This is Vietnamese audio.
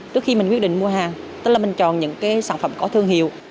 trước khi mình quyết định mua hàng tức là mình chọn những cái sản phẩm có thương hiệu